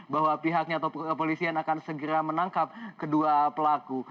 bahwa pihaknya atau kepolisian akan segera menangkap kedua pelaku